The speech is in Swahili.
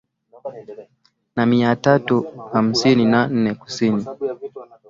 na mia tatu hamsini na nne Kusini